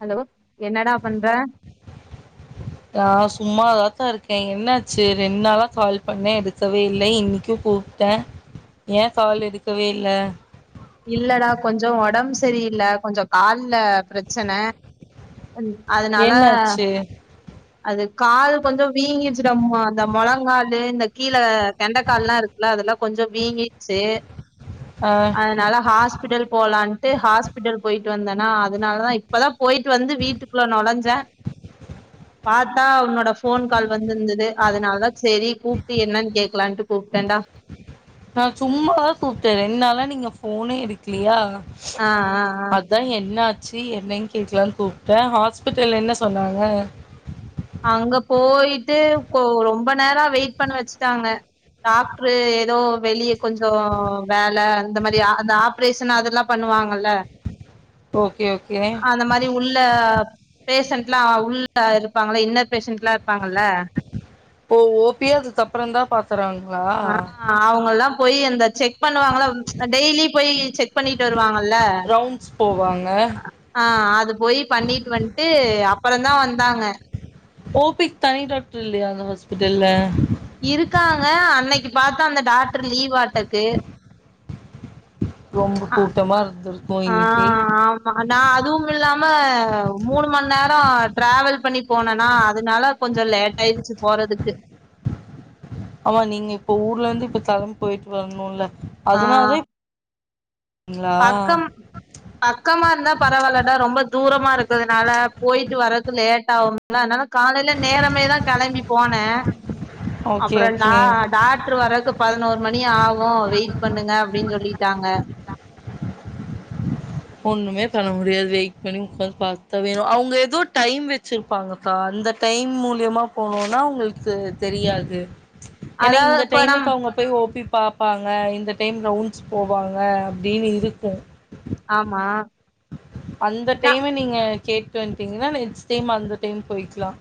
Hello என்னடா பண்ற ஒர்க்கா இருக்கேன் என்னாச்சு ரெண்டு நாளா கால் பண்ண எடுக்கவே இல்லை இன்னைக்கும் கூப்ட்ட ஏன் கால் எடுக்கவே இல்லை இல்லடா கொஞ்சம் ஒடம் சரியில்ல கொஞ்சம் கால்ல பிரச்சன [inaudible] அதனால என்னாச்சு அது கால் கொஞ்சம் வீங்கிடுச்சுடாமா அந்த மொளங்காலு இந்த கீழ கெண்டக்கால்லாம் இருக்குல்ல அதெல்லாம் கொஞ்சம் வீங்கிடுச்சு ஆ அதனால ஹாஸ்பிட்டல் போலான்ட்டு ஹாஸ்பிட்டல் போயிட்டு வந்தேனா அதனாலதான் இப்பதான் போயிட்டு வந்து வீட்டுக்குள்ள நுழஞ்சேன் பார்த்தா உன்னோட போன் கால் வந்திருந்தது அதனாலதான் சரி கூப்பிட்டு என்னன்னு கேக்கலான்ட்டு கூப்பிட்டேடா நான் சும்மாதான் கூப்ட்டேன் ரெண்டு நாளா நீங்க போனே எடுக்கலையா ஆ ஆ ஆ அதான் என்ன சி என்னன்னு கேக்கலாம்னு கூப்பிட்டேன் ஹாஸ்பிட்டல்ல என்ன சொன்னாங்க அங்க போயிட்டு ரொம்ப நேரம் வெயிட் பண்ண வச்சுட்டாங்க டாக்டரு ஏதோ வெளியே கொஞ்சம் வேல இந்த மாரி அந்த ஆப்ரேஷன் அதெல்லாம் பண்ணுவாங்கல்ல ஓகே ஓகே அந்த மாரி உள்ள பேசன்ட்லாம் உள்ள இரு இருப்பாங்கள இன்னர் பேஷன்ட் எலாம் இருப்பாங்கல்ல ஓ ஓபியா அது அப்பறம் தான் பா்த்த ஆஹ் அவங்கல்லாம் போய் அந்த செக் க் பண்ணுவாங்கள டெய்லி போய் செக் பண்ணிட்டு வருவாங்கல ரவுண்ட்ஸ் போவாங்க ஆஹ் அது போய் பண்ணிட்டு வந்ட்டு அப்புற தான் வந்தாங்க பிட்டல இருக்காங்க அன்னைக்கு பாத்தா அந்த டாக்டர் லீவ் ஆட்டக்கு ரொம்ப கூட்டமா இருந் ஆ ஆமா நான் அதுவும் இல்லாம மூணு மணி நேரம் [inaudible] டிரராவல் பண்ணி போனனா அதனால கொஞ்சம் லேட் ஆயிடுச்சு போறதுக்கு ஆமா நீங்க இப்ப ஊர்ல இருந்து இப்ப கெளம்பு போயிட்டு வரணும்ல்ல ஆ அது நால தான் இப் பக்கம் பக்கமா இருந்தா பரவாயில்டா ரொம்ப தூரமா இருக்கதுனால போயிட்டு வர்றது லேட் [inaudible] அதனால காலயில நேரமேதான் கிளம்பி போனேன் ஓகே அப்பறம் டா ஓகே டாக்டரு வரக்கு பதினோரு மணி ஆகும் வெயிட் பண்ணுங்க அப்டின்னு சொல்லிட்டாங்க ஒண்ணுமே பண்ண முடியாது வெயிட் பண்ணி உடக்காந்து பார்த்தா வேணும் அவங்க ஏதோ டைம் வச்சிருப்பாங்கக்கா அந்த டைம் மூலியமா போனும்னா அவங்களுக்கு தெரியாது ஏன்னா அதாவது இந்த இப்ப நம் டைமுக்கு அவங்க போய் ஓப்பி பார்ப்பாங்க இந்த டைம் ரவுண்ட்ஸ் போவாங்க அப்படின்னு இருக்கும் ஆமா அந்த நா டைம நீங்க கேட்டுவன்டீங்கன்னா நெக்ஸ்ட் டைம் அந்த டைம் போயிக்கலாம்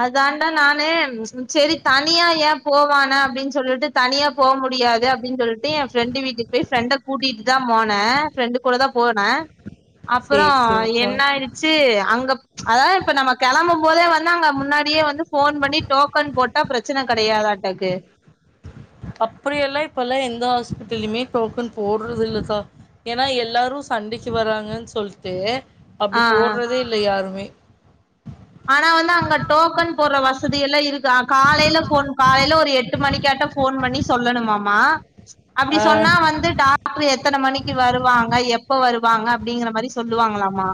அதான்டாநானு செரி தனியா ஏன் போவானே அப்படின்னு சொல்லிட்டு தனியா போக முடியாது அப்புடின்னு சொல்லிட்டு என் ஃப்ரெண்டு வீட்டுக்கு போய் ஃப்ரெண்டை கூட்டிட்டு தான் போனேன் ஃப்ரெண்டு கூட தான் போனேன் சேரி அப்புறம் சேரிக்கா என்ன ஆயிடுச்சு அங்க அதாவது இப்ப நம்ம கிளம்பு போதே வந்து நாங்க முன்னாடியே வந்து போன் பண்ணி டோக்கன் போட்டா பிரச்சனை கிடயாதட்டக்கு அப்படியெல்லாம் இப்பல்லாம் எந்த ஹாஸ்பிட்டலேயுமே டோக்கன் போடுறது இல்லகா ஏன்னா எல்லாரும் சண்டைக்கு வராங்கன்னு சொல்லிட்டு ஆ அப்புடி ஆ போடுறதே இல்ல யாருமே ஆனா வந்து அங்க டோக்கன் போடுற வசதி எல்லாம் இருக்கு காலையில போன் காலையில ஒரு எட்டு மணிக்கு கேட்ட போன் பண்ணி சொல்லணும்மாமா அப்படி ஆ சொன்னா வந்து டாக்டர் எத்தனை மணிக்கு வருவாங்க எப் இப்ப வருவாங்க அப்புடிங்கிற மாதிரி சொல்லுவாங்களாமா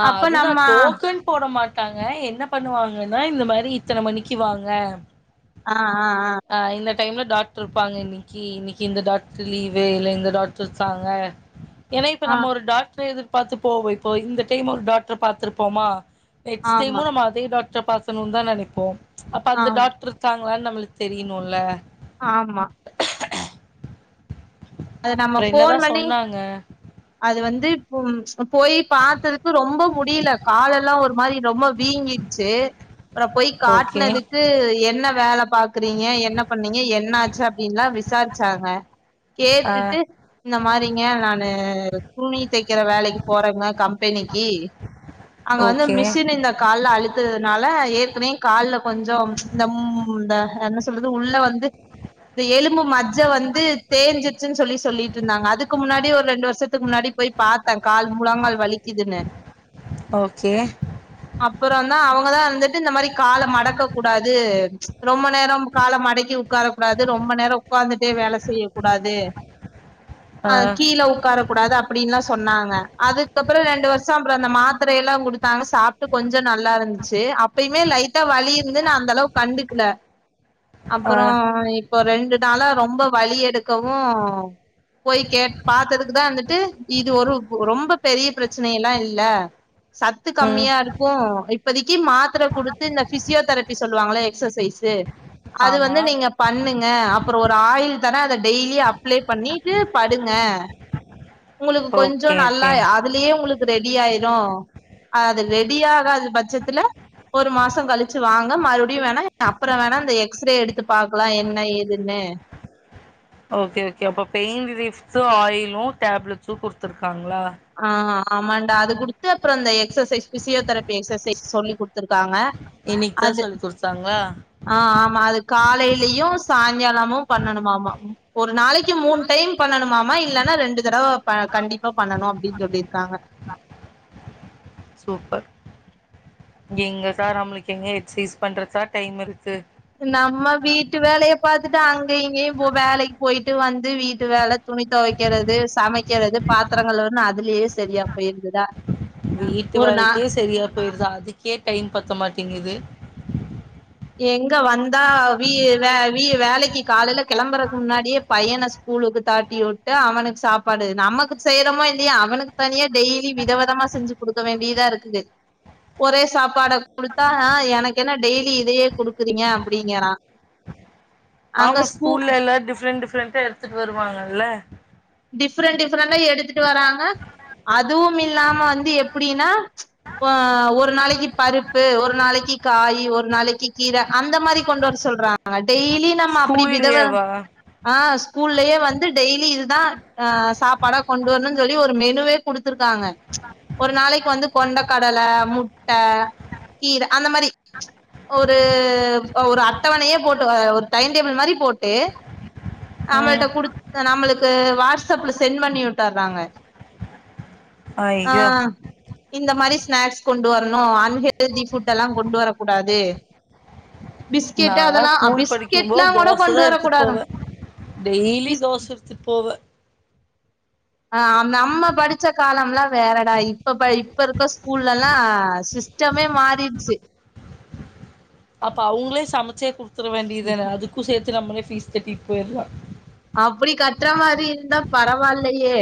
ஆஹ் அப்ப நம்ம அதுதான் டோக்கன் போட மாட் ட்டாங்க என்ன பண்ணுவாங்கன்னா இந்த மாரி இத்தனை மணிக்கு வாங்க ஆஹ் ஆஹ் ஆஹ் ஆ இந்த டைம்ல டாக்டர் இருப்பாங்க இன்னைக்கு இன்னைக்கு இந்த டாக்டர் லீவு இல்ல இந்த டாக்டர் இருக்காங்க ஏன்ன இப்ப ஆ ஆ நம்ம ஒரு டாக்ர எதிர் பாத்து போவோம் இப்போ இந்த இருமல் டாக்டர் பாத்துருப்போமா ஆ நெக்ஸ்ட் ஆமா டைமு நாம அதே டாக்ட இத பாக்கனும் தான் நினப்போம் அப்ப ஆ அந்த டாக்டரு தான் இதனு நம்மளுக்கு தெரியுணுல்ல ஆமா அது நம்ம அப்புறம் போன் என்னதான் பண்ணி சொன்னாங்க அது வந்து இப்ப போய் பாத்ததுக்கு ரொம்ப முடியல காலெல்லாம் ஒரு மாரி ரொம்ப வீங்கிடுச்சு அப்புறம் போய் ஓகே காட்டுனதுக்கு என்ன வேல பாக்குறீங்க என்ன பண்ணீங்க என்னாச்சு அப்டின்லாம் விசாரிச்சாங்க ஆ கேட்டுட்டு இந்த மாரிங்க நானு புனித் தேக்கிற வேலைக்கு போறமே கம்பெனிக்கு அங்க வந்து ஓகே மிஷின் இந்த கால்ல அழுத்துறதுனால ஏற்கனவே காலல கொஞ்சம் இந்த என்ன சொல்து உள்ள வந்து இந்த ஏழு ம்பு மஜ்ஜை வந்து வலிச்சு சொல்லி சொல்லிட்டு இருந்தாங்க அதுக்கு முன்னாடி ஒரு ரெண்டு வருத்துக்கு முன்னாடி போய் பாத்தே கால் முழங்கால் வலிக்குதுன்னு ஓகே அப்பறான தான் அவங்கதான் இருந்துட்டு இந்த மாதிரி கால மடக்க கூடாது ரொம்ப நேரம் கால மடக்கி உக்காரக்க கூடாது ரொம்ப நேரம் உக்காந்துட்டே வேல செய்ய கூடாது ஆ கீழ உட்கார கூடாது அப்டின்னுலாம் சொன்னாங்க அதுக்கப்பறம் ரெண்டு வருஷம் அப்பறம் அந்த மாத்திரையலாம் குடுத்தாங்க சாப்பிட்டு கொஞ்சம் நல்லா இருந்துச்சு அப்யுமே லைட்டா வழி இருந்து நான அந்த அளவுக்கு கண்டுக்கல ஆ அப்றோம் இப்போ ரெண்டு தல ரொம்ப வலி எடுத் இருக்கவும் போய் பாாத்ததுக்குதான் வந்துட்டு இது ஒரு ரொம்ப பெரிய பிரச்சனைையலா இல்ல சத்து ம் கம்மியா இருக்கும் இப்பதிக்கு மாத்திர குடுத்து இந்த பிசியோதெரபி சொல்லுவாங்கள எக்சஸ் சைசு அது ஆமா வந்து நீங்க பண்ணுங்க அப்புறோம் ஒரு ஆயிள் தரேன் அத டெய்லி அப்ளை பண்ணிட்டு படுங்க உங்களுக்கு ஓகே கொஞ்சோம் நல்லா ஓகே அதுலயே உங்களுக்கு ரெடி ஆயிடும் அது ரெடி ஆகாது [inaudible] பட்சத்துல ஒரு மாசம் கழிச்சு வாங்க மறுபடியும் வேணா அப்பறம் வேணா இந்த எக்ஸ்ரே எடுத்து பாக்லாம் என்ன எதுன்னு சோ ஆயிலும் டேப்லெட்ஸும் கொடுத்துருக்காங்க ஆ ஆமாண்டா அது குடுத்து அப்புறம் அந்த எக்சசைஸ் பிஸியோதெரபி எக்சசைஸ் சொல்லி கொடு இருக்காங்க இன்னைக்கு தா அது சொல்லி குடுத்தாங்களா ஆ ஆமா அது காலெயிலும் சாயந்தரமும் சாங்காலமும் பண்ணணுமாமா ஒரு நாளைக்கு மூண் டைம் பண்ணணுமா மா இல்லன்னா ரெண்டு தடவ கண்டிப்பா பண்ணணும் அப்டின்னு சொல்லிருக்காங்க சூப்பர் எங்கசார் நம்பளுக்கு எங்க எக்சைஸ் பண்றதுக்கா டைம் இருக்கு நம்ம வீட்டு வேலய பாத்துட்டு அங்க இங்கயும் போ வேலைக்கு போயிட்டு போயிட்டு வந்து வீட்டு வேல துணி தொவைக்கறது சமைக்கறது பாத்திரங் கழுவுறது அதுலயே சரியா போயிருததா வீட்டு வேலைக்கே சரியா போயிருதா அதுக்கே டைம் பத்த மாட்டேங்குது எங்க வந்தா வீ வே வீ வேலைக்கு காலையில கெளம்புறதுக்கு முன்னாடியே பையன ஸ்கூலுக்கு தாட்டி வுட்டு அவனுக்கு சாப்பாடு நமக்கு செய்றோமோ இல்லையோ அவனுக்கு தனியா டெய்லி விதவதமா செஞ்சு குடுக்க வேண்டியதா இருக்குது ஒரே சாப்பாட கொடுத்தா எனக்கு என்ன டெய்லி இதையே குடுக்குறீங்க அப்படிங்கறான் ஆமா ஸ்கூல்ல எல்லாரும் டிஃப்ரெண்ட் டிஃப்ரெண்டா எடுத்துட்டு வருவாங்கல்ல டிஃப்ரெண்ட் டிஃப்ரெண்டா எடுத்துட்டு வராங்க அது அதுவும் இல்லாம வந்து எப் அப்புடின்னா ஹ ஒரு நாளக்கி பருப்பு ஒரு நாளக்கி காயி ஒரு நாளக்கி கீர அந்த மாரி கொண்டு வர சொல்றாங்க டெய்லி நம்ம அப்புடி விதவ ஸ்கூல்லயேவா ஆஹ் ஸ்கூல்லயே வந்து டெய்லி இதுதான் ஆ சாப்பாடா கொண்டு வரணுன்னு சொல்லி ஒரு மெ மெனுவே குடுத்துருங் த்தாங்க ஒரு நாளைக்கு வந்து கொண்ட கடல முட்ட கீர அந்த மாரி ஒரு ஒரு அட்டவணையே போட்டு ஒரு டைம் டேபிள் மாரி போட்டு நம்மள் ம் ட்ட குடுத் நம்மளுக்கு வாட்ஸ்அப்ல சென்ட் பண்ணி விட்டர்றாங்க ஐயோ ஆஹ் இந்த மாரி ஸ்நாக்ஸ் கொண்டு வரணு அன் ஹெல்தி ஃபுட் எல்லா கொண்டு வரக் கூடாது பிஸ்கெட் நாலா அதெல்லாம் ஸ்கூல் பிஸ்கெட் படிக்கும்போது எல்லாம் கூட தோச கொண்டு தா எடுத்துட்டு வரக்கூடாதா போவே டெய்லி தோச எடுத்து போ போவ ஆஹ் நம்ம படிச்ச காலம் எல்லாம் வேறடா இப்ப ப இப்ப இருக்க ஸ்கூல்லலா சிஸ்டமே மாறிடுச்சு அப்ப அவங்ளே சமைச்சே குடுத் கொடுத்தர வேண்டியதானே அதுக்கு சேத்து நம்மளே ஃபீஸ் கட்டிட்டு போயிரலா அப்டி கட்ற மாரி இருந்தா பரவால்லையே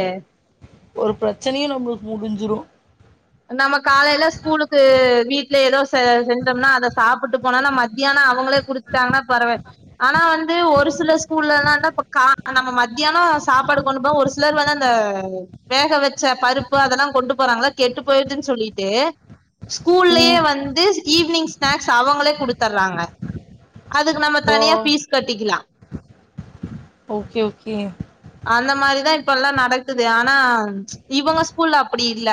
ஒரு பிரச்சனையும் நம்மளுக்கு முடிஞ்சுரும் நம்ம காலைல ஸ்கூலுக்கு வீட்ல ஏதோ செ செஞ்சோம்னா அத சாப்பிட்டு போனோன்னா மத்யானோ அவங்களே குடுத்துட்டாங்கன்னா பறவால் ஆனா வந்து ஒரு சில ஸ்கூல்ல என்னனான்னா இப்ப கா நம்ம மத்யானோ சாப்பாடு கொண்டு போவோ ஒரு சிலர் வந்து அந்த வேக வச்ச பருப்பு அதெல்லா கொண்டு போறாங்கள கெட்டு போயிடுதுன்னு சொல்லிட்டு ஸ்கூல்லேயே ம் வந்து ஈவினிங் ஸ்நாக்ஸ் அவங்களே குடுத்துடறாங்க அதுக்கு நம்ம ஓ தனியா ஃபீஸ் கட்டிக்கலா ஓகே ஓகே இப்போலா நடக்குது ஆனா இவங்க ஸ்கூல்ல அப்டி இல்ல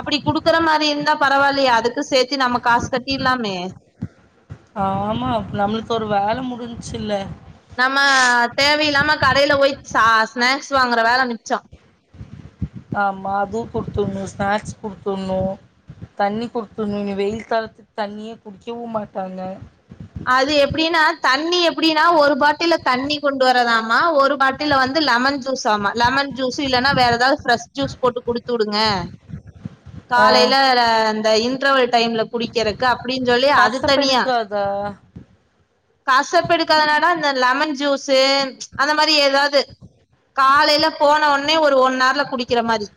அப்படி குடுக்குற மாரி இருந்தா பரவால்லயே அதுக்கு சேத்தி நம்ம காசு கட்டிரலாமே ஆமா நம்மளுக்கு ஒரு வேல முடிஞ்ச்சுல்ல நம்ம தேவையில்லாம கடையில போய் ஸா ஸ்நாக்ஸ் வாங்குற வேல மிச்சோ ஆமா அதுவும் குடுத்துடுணும் ஸ்நாக்ஸ் குடுத்துடுணும் தண்ணி குடுத்துடுணும் வெயில் காலத்துல தண்ணியே குடிக்கவும் மாட்டாங்க அது எப்டின்னா தண்ணி எப்டின்னா ஒரு பாட்டில தண்ணி கொண்டு வரதாமா ஒரு பாட்டில வந்து லெமன் ஜூஸ் ஆமா லெமன் ஜூஸ் இல்லைன்னா வேற ஏதாவது ஃப்ரெஷ் ஜூஸ் போட்டு குடுத்துடுங்க ஆ காலையில அந்த இந் இன்டெர்வல் டைம்ல குடிக்கிறக்கு அப் அப்புடினு சொல்லி அது தனியா கசப்பெடுக்காதா? காசு பிடிக்காதது என்னன்னா இந்த லெமன் ஜூஸு அந்த மாரி ஏதாவது காலைல போன உடனே ஒரு ஒன் அவர்ல குடிக்கிற மாரி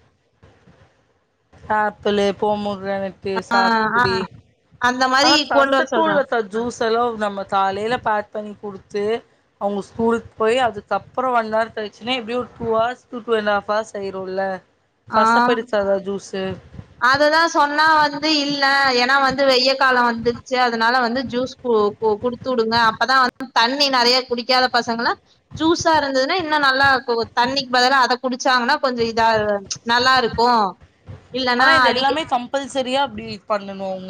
ஆப்பிளு போமோ கிரானெட்டு ஆ ஆ சாத்துக்குடி அந்த ஆன மாரி கொண்டு வர சொல்றா கசக்குலக்கா ஜூஸ் ல்லோ நம்ம காலைல பேக் பண்ணி குடுத்து அவங்க ஸ்கூலுக்கு போய் அதுக்கப்றம் ஒன் ஹர் கழிச்சி நா எப்படிய ஒரு two hours two two and half hours ஆயிரும்ல கசப்பு எடுக்காத ஜூஸ் ஹு அததான் சொன்னா வந்து இல்லா ஏன்னா வந்து வெய காலம் வந்துருச்சு அதனால வந்து ஜூஸ் கு குடுத்துவுடுங்க அப்பதான் வந்து தண்ணி நிறைய குடிக்காத பசங்கலான் ஜூஸா இருந்ததுன்னா இன்னும் நல்லா கு தண்ணிக்கு பதில அத குடிச்சாங்கன்னா கொஞ்சம் இதா நல்லா இருக்கும் ஆனா இது எல்லாமே கம்பல் சரியா அப்படி பண்ணனும்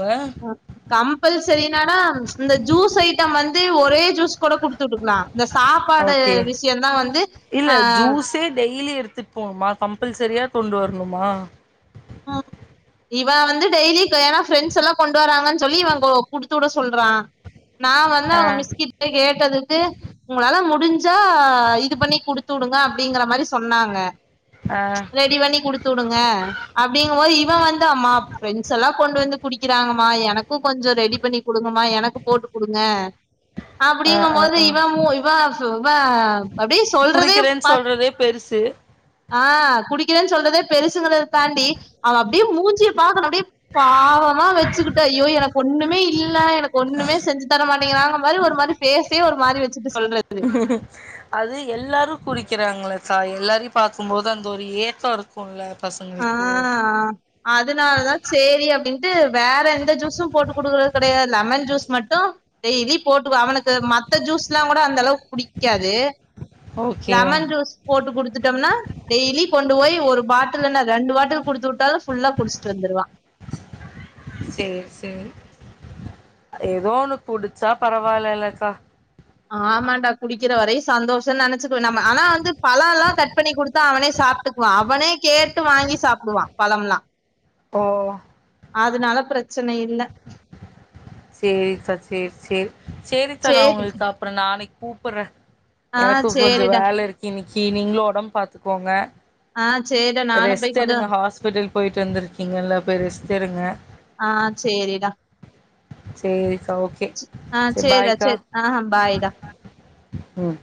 கம்பல்சரிநானா இந்த ஜூஸ் ஐட்டம் வந்து ஒரே ஜூஸ் கூட குடுத்துவுட்டுக்கலாம் இந்த சாப்பாடு ஓகே விஷயம்தான் வந்து இல்ல ஆஹ் ஜூஸே டெய்லி எடுத்துட்டு போனுமா மாசம் மாசம் சார்யாபோணுமா கம்பல்சரியா கொண்டு வரணுமா ம் இவன் வந்து டெய்லி ஏன்னா ஃப்ரெண்ட்ஸ் எல்லாம் கொண்டு வராங்கன்னு சொல்லி இவன் குடுத்து விட சொல்றான் நான் வந்து ஆ அவங்க மிஸ்கிட்ட கேட்டது உங்களால முடிஞ்சா இது பண்ணி குடுத்துவுடுங்க அப்படிங்கற மாரி சொன்னாங்க ஆ ரெடி பண்ணி குடுத்துடுங்க அப்படிங்கும்போது இவன் வந்து அம்மா ப்ரெண்ட்ஸ் எல்லாம் கொண்டு வந்து குடிக்கிறாங்கமா எனக்கும் கொஞ்சம் ரெடி பண்ணி கொடுங்கமா எனக்கும் போட்டு கொடுங்க ஆ ஆ அப்படிங்கும்போது ஆ இவ மோ இவ இவ அப்படி சொல்றதே குடிக்கிறேன்னு பா சொல்றதே பெருசு ஆஹ் குடிக்கிறேன்னு சொல்றதே பெருசுங்க தாண்டி அப்படியே மூஞ்சிய பாக்கணும் அப்படியே பாவமா வெச்சிக்கிட்டு அய்யோ எனக்கு ஒண்ணுமே இல்ல ஒண்ணமே செஞ்சிதரமாட்டேங்குறாங்க மாறி ஒரு மாரி பாஸ்சையே ஒரு மாரி வே அது எல்லாரும் குறி க்கிறார்களாக்கா எல்லோரையும் பார்க்கும்போது அந்த ஒரு ஏக்கம் இருக்கும்ல ஆஹ் அதனாலதான் சரி அப்படின்ட்டு வேற எந்த ஜூஸும் போட்டு குடுக்கறது கிடையாது லெமன் ஜூஸ் மட்டும் டெய்லி போட்டு அவனுக்கு மத்த ஜூஸ்லாம் கூட அந்த அளவுக்கு புடிக்காது ஓகே லெமன் ஜூஸ் போட்டு கொடுத்துட்டோம்னா டெய்லி கொண்டு போய் ஒரு பாட் டில் ரெண்டு பாட்டில் குடுத்துட்டாலும் புல்லா குடிச்சுட்டு வந்துருவான் சேரி சேரி ஏதோ ஒனக்கு குடிச்சா பரவாயில்லலக்கா ஆமாண்டா குடிக்கிற வரையும் சந்தோஷம்னு நினைச்சுக்குன் நம்ம ஆனா வந்து பழம் எல்லாம் கட் பண்ணி கொடுத்தா அவனே சாப்பிட்டுக்குவான் அவனே கேட்டு வாங்கி சாப்பிடுவான் பழம்எல்லாம் ஓ அதனால பிரச்சனை இல்ல சரி தா சரி சரி சரித்தா நான் சேரி உங்களுக்கு அப்புறம் நாளைக்கு கூப்புறன் ஆ எனக்கும் கொஞ்சம் சேரிடா வேலை இருக்கு இன்னிக்கி நீங்களும் உடம்பு பாத்துக்கோங்க ஆ சேரிடா நானு போய் ரெஸ்ட் கொஞ்சோ எடுங்க ஹாஸ்பிடல் போயிட்டு வந்திருக்கீங்க இல்ல போய் ரெஸ்ட் எடுங்க சேரிக்கா ஓகே ஆஹ் சேரி செரி டா செரி ஆஹ் ஹ பாய்டா உம்